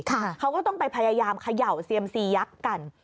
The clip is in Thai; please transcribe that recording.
เขาก็ต้องไปพยายามเขย่าเซียมซียักษ์กัน